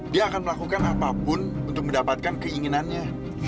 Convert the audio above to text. dia akan melakukan apapun untuk mendapatkan keinginannya